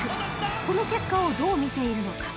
［この結果をどう見ているのか］